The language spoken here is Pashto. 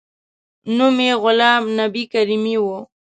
نوم یې غلام نبي کریمي و.